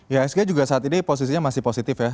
ya asg juga saat ini posisinya masih positif ya